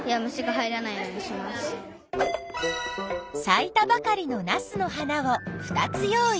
さいたばかりのナスの花を２つ用意。